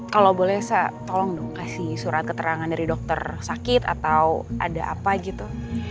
kalau boleh saya tolong dong kasih surat keterangan dari dokter sakit atau ada apa gitu